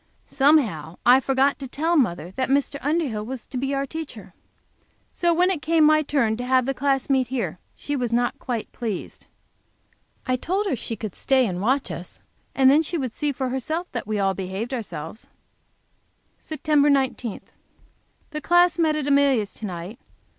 Somehow I forgot to tell mother that Mr. Underhill was to be our teacher. So when it came my turn to have the class meet here, she was not quite pleased. I told her she could stay and watch us, and then she would see for herself that we all behaved ourselves. Sept. 19. The class met at Amelia's to night.